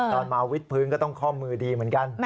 ตอนมาวิทย์พื้นก็ต้องข้อมือดีเหมือนกัน